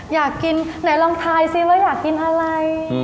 อยากกินไหนลองทายซิว่าอยากกินอะไร